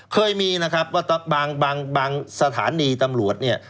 เคยมีนะครับว่าบางสถานีตำรวจเนี่ย